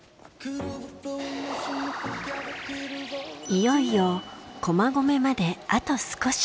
いよいよ駒込まであと少し。